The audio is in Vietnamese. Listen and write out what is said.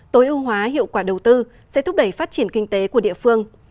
tối ưu hóa hiệu quả đầu tư sẽ thúc đẩy phát triển kinh tế của địa phương